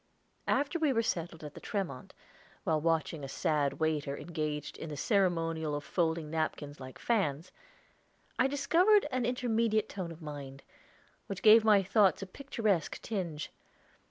After we were settled at the Tremont, while watching a sad waiter engaged in the ceremonial of folding napkins like fans, I discovered an intermediate tone of mind, which gave my thoughts a picturesque tinge.